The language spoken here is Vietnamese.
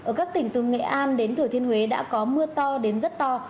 ở các tỉnh từ nghệ an đến thừa thiên huế đã có mưa to đến rất to